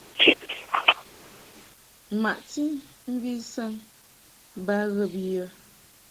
Maʼti mvi saŋ ba ghə bi yə.